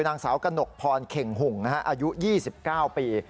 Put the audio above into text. นางสาวกระหนกพรเข่งหุ่งอายุ๒๙ปี